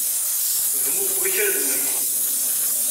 Bnu deg wakal-nnem.